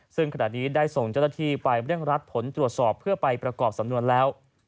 ซึ่งขณะนี้ได้ส่งเจ้าหน้าที่ไปเร่งรัดผลตรวจสอบเพื่อไปประกอบสำนวนแล้ว